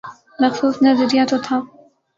مخصوص نظریہ تو تھا۔